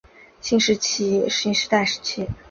新石器早期洞穴遗址的历史年代为新石器时代早期。